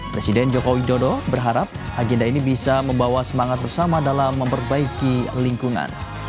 presiden jokowi dodo berharap agenda ini bisa membawa semuanya kembali ke dunia